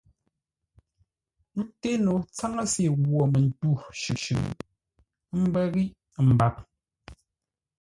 Ńté no tsáŋə́se ghwô mətû shʉʼʉ, ə́ mbə́ ghíʼ mbap.